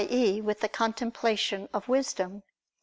e. with the contemplation of wisdom.